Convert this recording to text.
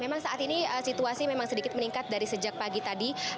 memang saat ini situasi memang sedikit meningkat dari sejak pagi tadi